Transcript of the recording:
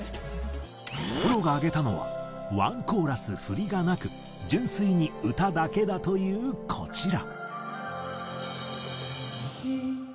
プロが挙げたのは１コーラス振りがなく純粋に歌だけだというこちら。